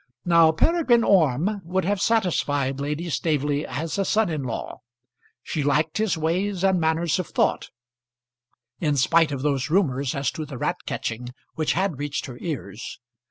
Now Peregrine Orme would have satisfied Lady Staveley as a son in law. She liked his ways and manners of thought in spite of those rumours as to the rat catching which had reached her ears.